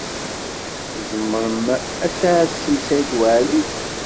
Tzemṛem ad tɛassem Saɛid Waɛli?